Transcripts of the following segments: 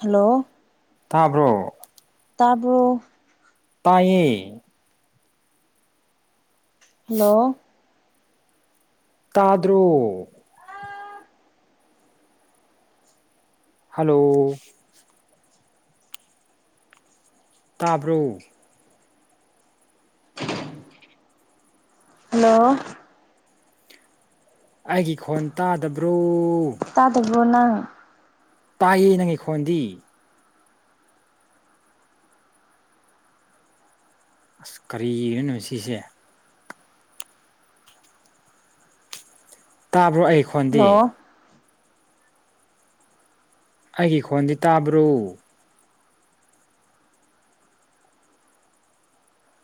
hello ꯇꯥꯕ꯭ꯔꯣ ꯇꯥꯕ꯭ꯔꯣ ꯇꯥꯏ ꯍꯜꯂꯣ ꯇꯥꯗ꯭ꯔꯣ ꯍꯜꯂꯣ ꯇꯥꯕ꯭ꯔꯣ ꯍꯜꯂꯣ ꯑꯩꯒꯤ ꯈꯣꯟ ꯇꯥꯗꯕ꯭ꯔꯣ ꯇꯗꯕꯨꯣ ꯅꯪ ꯇꯥꯏꯌꯦ ꯅꯪꯈꯣꯟꯗꯤ ꯑꯁ ꯀꯔꯤꯅꯣ ꯁꯤꯁꯦ ꯇꯥꯕ꯭ꯔꯣ ꯑꯩꯈꯣꯟꯗꯤ ꯍꯜꯂꯣ ꯑꯩꯒꯤ ꯈꯣꯟꯗꯤ ꯇꯥꯕ꯭ꯔꯣ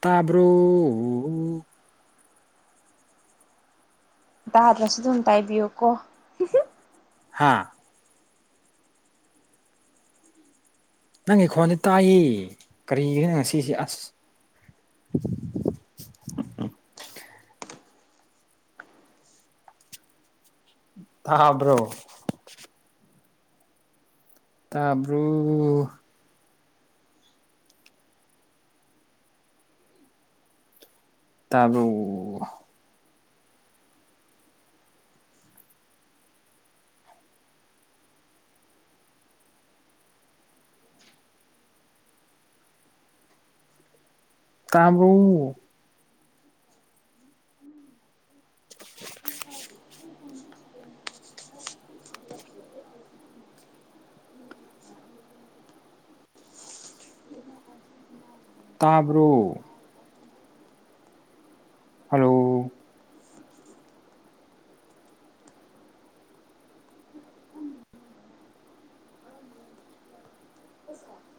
ꯇꯥꯕ꯭ꯔꯣ ꯇꯥꯗ꯭ꯔꯁꯨ ꯑꯗꯨꯝ ꯇꯥꯏꯕꯤꯌꯨ ꯀꯣ ꯍꯥꯥ ꯅꯪꯒꯤ ꯈꯣꯟꯗꯤ ꯇꯥꯏꯌꯦ ꯀꯔꯤꯒꯤꯅ ꯉꯁꯤꯁꯦ ꯑꯁ ꯊꯥꯕ꯭ꯔꯣ ꯇꯥꯕ꯭ꯔꯨ ꯇꯕꯨ ꯀꯥꯝꯔꯨ [inaudible] [inaudible] ꯇꯥꯕ꯭ꯔꯣ ꯍꯜꯂꯣ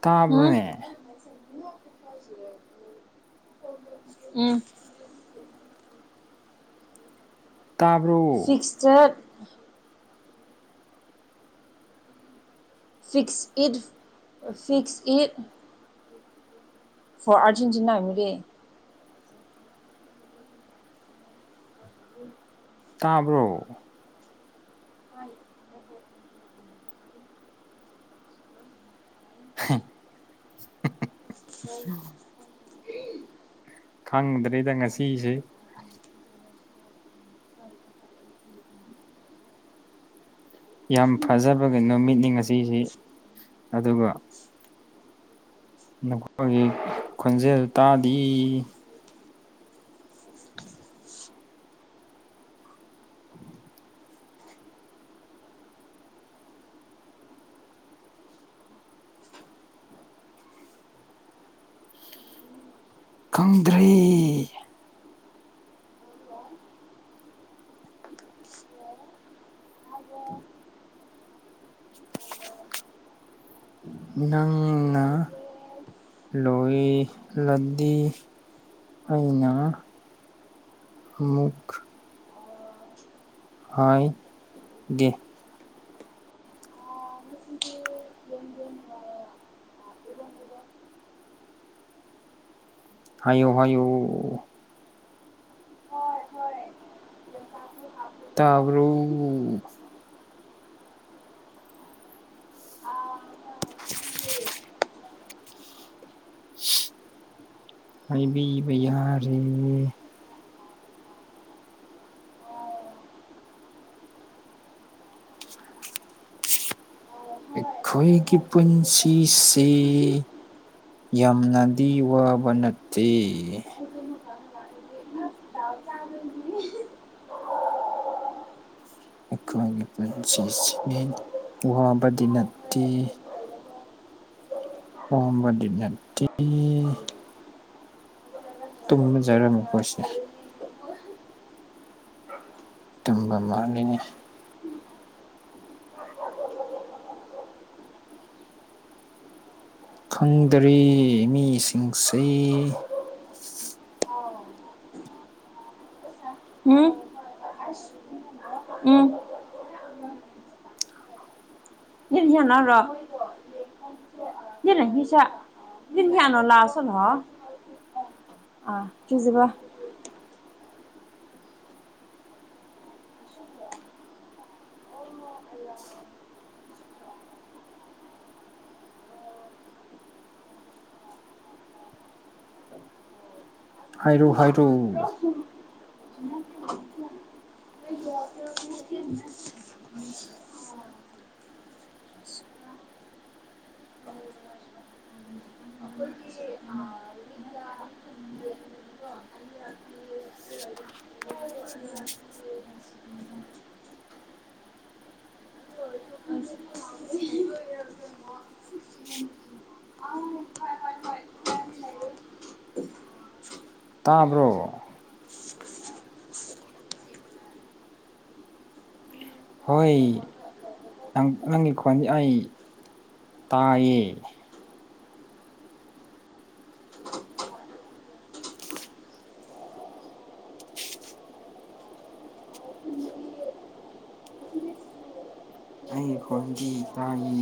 ꯇꯥꯕ꯭ꯔꯣꯅꯦ ꯁꯥꯏꯁꯤꯔ ꯍ ꯍ ꯎꯝ ꯇꯥꯕ꯭ꯔꯣ ꯆꯠ fix it fix it for ꯑꯔꯖꯦꯟꯇꯤꯅꯥ ꯍꯥꯏꯃꯤꯔꯦ ꯇꯥꯕ꯭ꯔꯣ ꯍꯥ ꯈꯪꯗ꯭ꯔꯦꯗ ꯉꯁꯤꯁꯦ ꯌꯥꯝ ꯐꯖꯕꯒꯤ ꯅꯨꯃꯤꯠꯅꯤ ꯉꯁꯤꯁꯤ ꯑꯗꯨꯒ ꯅꯈꯣꯏꯒꯤ ꯈꯣꯟꯖꯦꯜ ꯇꯥꯗꯤ ꯈꯪꯗ꯭ꯔꯦ ꯍ ꯑꯣ [unintelligible] ꯅꯪ ꯅ ꯂꯣꯍꯤ ꯂꯗꯤ ꯑꯩꯅ ꯑꯃꯨꯛ ꯍꯣꯏꯒꯦ ꯑ ꯌꯦ ꯅꯨꯡꯉꯕꯅꯦꯕ ꯍꯥꯏꯌꯨ ꯍꯥꯏꯌꯨ ꯍꯣꯏ ꯍꯣꯢ ꯇꯥꯕ꯭ꯔꯣ [unintelligible] ꯍꯥꯏꯥꯏꯕꯤꯕ ꯌꯥꯔꯦ ꯑꯩꯈꯣꯏꯒꯤ ꯄꯨꯟꯁꯤ ꯑꯩꯁꯤ ꯌꯥꯝꯅꯗꯤ ꯋꯥꯕ ꯅꯠꯇꯦ ꯆꯥ ꯑꯩꯈꯣꯏꯒꯤ ꯄꯨꯟꯁꯤꯁꯤ ꯋꯥꯕꯗꯤ ꯅꯠꯇꯦ ꯑꯣꯝꯕꯗꯤ ꯅꯠꯇ ꯇꯨꯝꯖꯔꯝꯃꯤ ꯑꯩꯈꯣꯏꯁꯦ ꯇꯝꯕ ꯃꯥꯥꯡꯂꯤꯉꯩ ꯈꯪꯗꯔꯦ ꯃꯤꯁꯤꯡꯁꯦ ꯑꯣ ꯎꯝ ꯑ ꯎꯝ ꯌꯦꯌꯥꯅꯔꯣ ꯌꯦꯅ ꯍꯁ ꯌꯦꯁꯤꯌꯥꯅ ꯂꯁꯜ ꯑꯥ ꯀꯖꯤꯕ [inaudible] ꯍꯥꯏꯔꯣ ꯍꯥꯏꯔꯣ [inaudible] [inaudible] [inaudible] ꯇꯥꯕ꯭ꯔꯣ ꯍꯣꯏ ꯅꯪ ꯅꯪꯒꯤ ꯈꯣꯟꯗꯤ ꯑꯩ ꯇꯥꯏꯌꯦ ꯑꯩꯒꯤ ꯈꯣꯟꯒꯤ ꯏꯇꯥꯒꯤ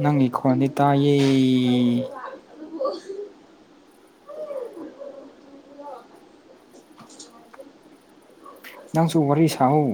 ꯅꯪꯒꯤ ꯈꯣꯟꯗꯤ ꯇꯥꯏꯌꯦ ꯅꯪꯁꯨ ꯋꯥꯔꯤꯔꯤ ꯁꯥꯋꯣ